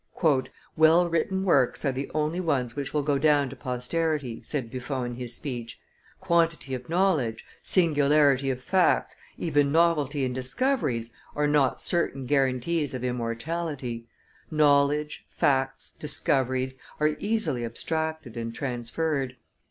"Well written works are the only ones which will go down to posterity," said Buffon in his speech; "quantity of knowledge, singularity of facts, even novelty in discoveries, are not certain guaranties of immortality; knowledge, facts, discoveries, are easily abstracted and transferred.